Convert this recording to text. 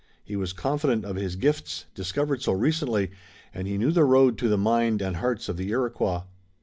He was confident of his gifts, discovered so recently, and he knew the road to the mind and hearts of the Iroquois.